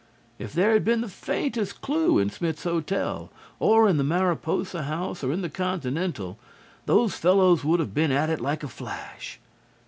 If there had been the faintest clue in Smith's Hotel or in the Mariposa House or in the Continental, those fellows would have been at it like a flash.